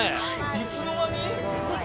いつの間に？